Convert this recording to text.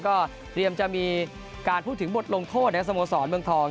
ก็เตรียมจะมีการพูดถึงบทลงโทษนะครับสโมสรเมืองทอง